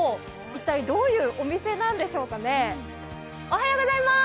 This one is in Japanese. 一体どういうお店なんでしょうかね。